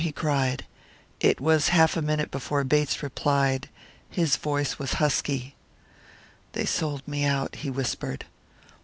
he cried. It was half a minute before Bates replied. His voice was husky. "They sold me out," he whispered.